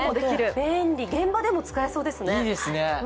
便利、現場でも使えそうですね。